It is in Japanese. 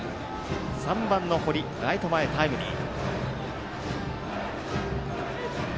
３番の堀、ライト前タイムリー。